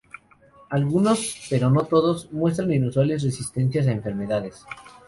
Algunos, pero no todos, muestran inusuales resistencias a enfermedades.